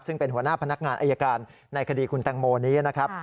ซึ่งเป็นหัวหน้าพนักงานอายการในคดีคุณแตงโมนี้นะครับ